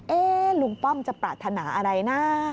ลุงป้อมจะปรารถนาอะไรนะ